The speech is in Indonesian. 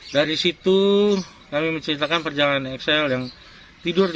dari situ kami menceritakan perjalanan axel yang tidur di rumah ini